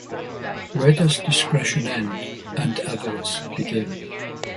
Where does discretion end, and avarice begin?